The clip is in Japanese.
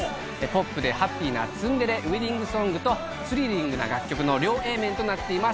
ポップでハッピーなツンデレウエディングソングとスリリングな楽曲の両Ａ面となっています。